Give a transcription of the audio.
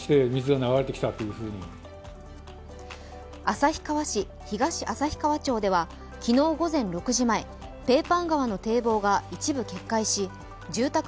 旭川市東旭川町では昨日午前６時前ペーパン川の堤防が一部決壊し住宅